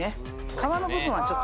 皮の部分はちょっとね。